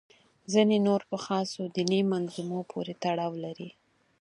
ځینې نور په خاصو دیني منظومو پورې تړاو لري.